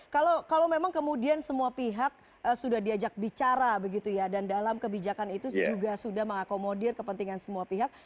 kalau memang kemudian semua pihak sudah diajak bicara begitu ya dan dalam kebijakan itu juga sudah mengakomodir kepentingan semua pihak